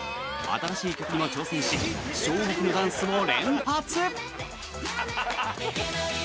新しい曲にも挑戦し衝撃のダンスも連発！